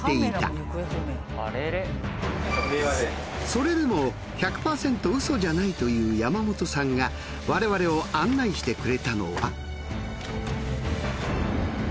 それでも１００％ウソじゃないと言う山本さんが我々を案内してくれたのは。